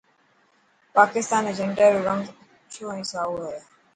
پاڪستان ري جهنڊي رو رنگ اڇو ۽ سائو هي.